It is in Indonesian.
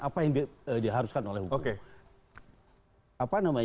apa yang diharuskan oleh hukum